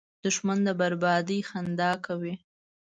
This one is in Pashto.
دښمن د بربادۍ خندا کوي